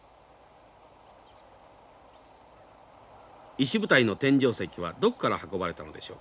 石舞台の天井石はどこから運ばれたのでしょうか。